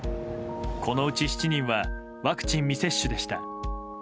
このうち７人はワクチン未接種でした。